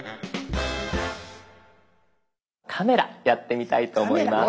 カメラやってみたいと思います。